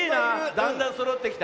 だんだんそろってきた。